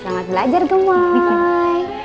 selamat belajar gemoy